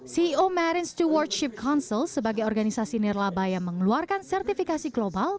ceo marine stewardship council sebagai organisasi nirlabaya mengeluarkan sertifikasi global